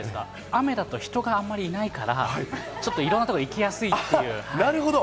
雨だと人があまりいないから、ちょっといろんなとこ行きやすいなるほど。